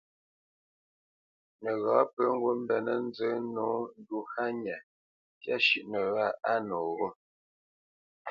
Nəghǎ pə ŋgǔt mbenə́ nzə nǒ ndu hánya ntyá shʉ́ʼnə wâ noghó.